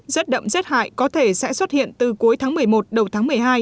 rết đậm rét hại có thể sẽ xuất hiện từ cuối tháng một mươi một đầu tháng một mươi hai